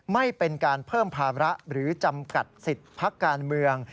ไม่เป็นการเพิ่มภาระหรือจำกัดสิทธิ์พักการเมือง